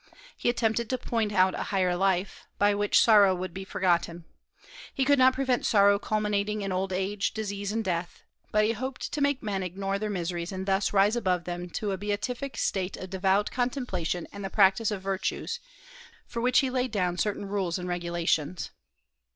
He attempted to point out a higher life, by which sorrow would be forgotten. He could not prevent sorrow culminating in old age, disease, and death; but he hoped to make men ignore their miseries, and thus rise above them to a beatific state of devout contemplation and the practice of virtues, for which he laid down certain rules and regulations.